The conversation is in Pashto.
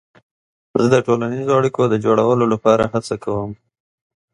زه د ټولنیزو اړیکو د جوړولو لپاره هڅه کوم.